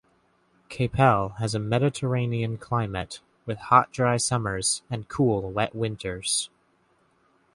Capel has a Mediterranean climate, with hot dry summers and cool wet winters.